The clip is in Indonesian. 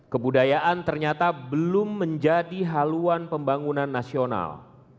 kebudayaan ternyata belum menjadi haluan pembangunan nasional